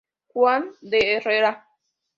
Juan de Herrera.